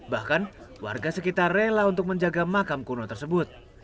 bahkan warga sekitar rela untuk menjaga makam kuno tersebut